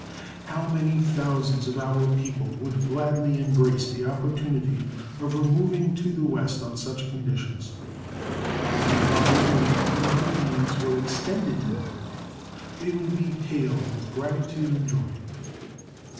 How many thousands of our own people would gladly embrace the opportunity of removing to the West on such conditions! If the offers made to the Indians were extended to them, they would be hailed with gratitude and joy.